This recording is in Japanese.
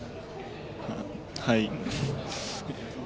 はい。